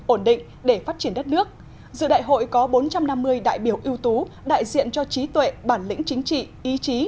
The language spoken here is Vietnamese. ổn định để phát triển đất nước dự đại hội có bốn trăm năm mươi đại biểu ưu tú đại diện cho trí tuệ bản lĩnh chính trị ý chí